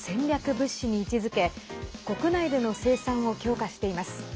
物資に位置づけ国内での生産を強化しています。